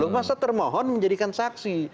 masa termohon menjadikan saksi